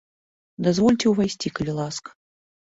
Дазвольце ўвайсці, калі ласка!